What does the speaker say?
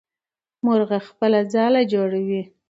مرغه خپله ځاله جوړوي.